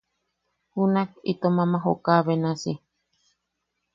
Junak ama itom ama jooka benasi.